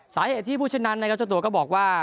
สาเหตุที่พูดเช่นนั้นก็บอกว่า